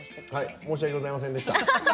申し訳ございませんでした。